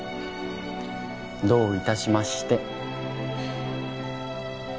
どういたしまして。